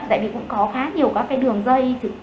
tại vì cũng có khá nhiều các cái đường dây